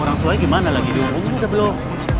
orang tuanya gimana lagi diunggung juga belum